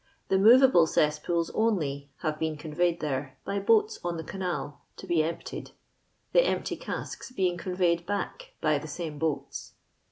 The movable cesspools only have been conveyed there, by boats on the canal, to bo emptied; the empty casks being con veyed back by the same boats.